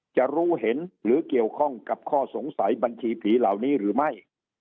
จะรู้เห็นหรือเกี่ยวข้องกับข้อสงสัยบัญชีผีเหล่านี้หรือไม่